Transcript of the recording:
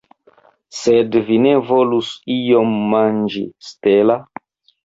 Sed vi ne volus iom manĝi, Stella?